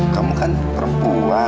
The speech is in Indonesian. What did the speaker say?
kamu kan perempuan